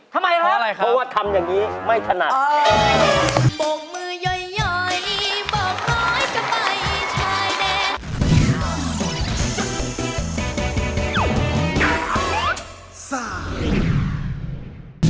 ทำไมครับเพราะว่าทำอย่างนี้ไม่ถนัด